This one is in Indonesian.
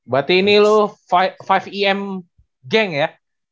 berarti ini lu lima e m gang ya